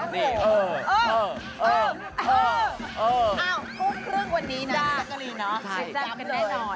พรุ่งเรื่องกว่านี้น่ะเรียบร้อนก็ดีนะคะ